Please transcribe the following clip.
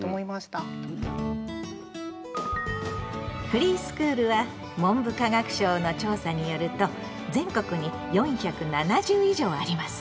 フリースクールは文部科学省の調査によると全国に４７０以上あります。